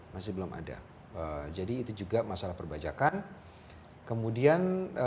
masih belum ada jadi itu juga masalah perbajakan kemudian